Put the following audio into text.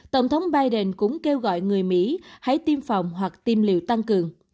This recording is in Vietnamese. tổng thống biden cũng kêu gọi người mỹ hãy tiêm phòng hoặc tiêm liều tăng cường